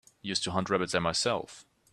Used to hunt rabbits there myself.